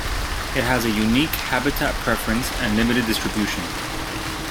It has a unique habitat preference and limited distribution.